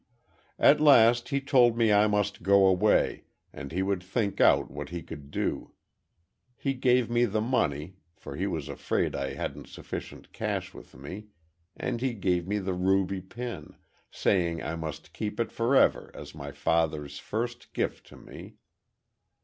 "At last, he told me I must go away, and he would think out what he could do. He gave me the money, for he was afraid I hadn't sufficient cash with me, and he gave me the ruby pin, saying I must keep it forever as my father's first gift to me.